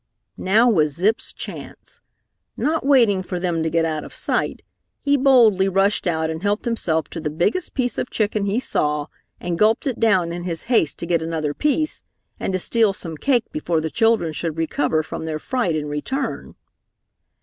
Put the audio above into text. Now was Zip's chance. Not waiting for them to get out of sight, he boldly rushed out and helped himself to the biggest piece of chicken he saw and gulped it down in his haste to get another piece and to steal some cake before the children should recover from their fright and return.